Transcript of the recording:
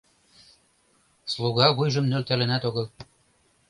Слуга вуйжым нӧлталынат огыл.